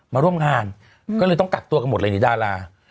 มาร่วมงานก็เลยต้องกักตัวกันหมดเลยนี่ดารา